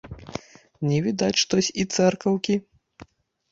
Не відаць штось і цэркаўкі.